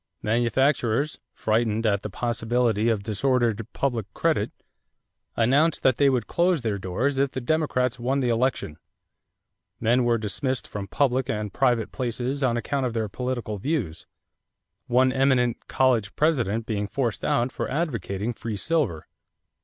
Manufacturers, frightened at the possibility of disordered public credit, announced that they would close their doors if the Democrats won the election. Men were dismissed from public and private places on account of their political views, one eminent college president being forced out for advocating free silver.